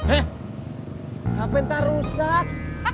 eh ngapain tak rusak